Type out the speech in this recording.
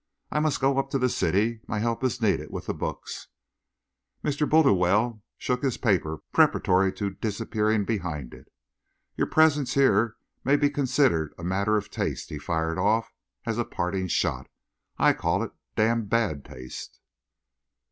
I must go up to the City. My help is needed with the books." Mr. Bultiwell shook his paper preparatory to disappearing behind it. "Your presence here may be considered a matter of taste," he fired off, as a parting shot. "I call it damned bad taste!"